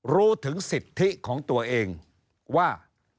รู้ถึงสิทธิของตัวเองว่า